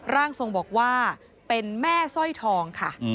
ร่างทรงบอกว่าเป็นแม่สร้อยทองค่ะ